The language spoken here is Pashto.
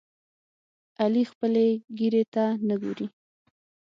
علي خپلې ګیرې ته نه ګوري.